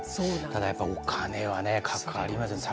ただやっぱり、お金はかかりますよね。